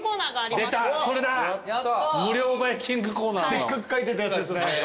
でっかく書いてたやつですね。